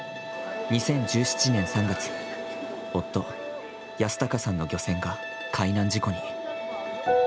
２０１７年３月、夫・和享さんの漁船が海難事故に。